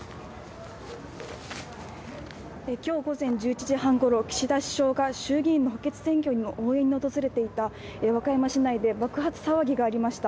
今日午前１１時半ごろ岸田首相が衆議院の補欠選挙の応援に訪れていた和歌山市内で爆発騒ぎがありました。